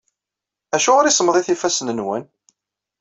Acuɣer i semmḍit yifassen-nwen?